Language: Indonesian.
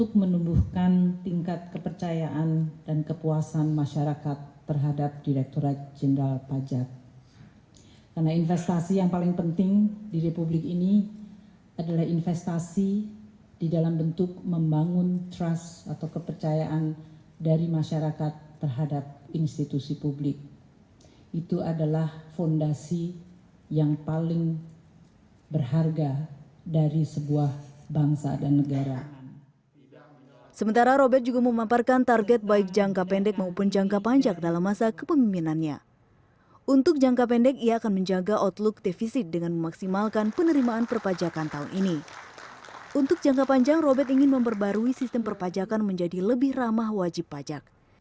keuangan sri mulyani memimpin pelantikan robert dan kembali mengingatkan tugas dan target utama dirjen pajak bagi masyarakat